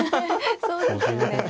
そうですよね。